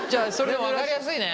でも分かりやすいね。